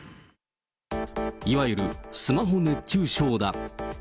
いわゆるスマホ熱中症だ。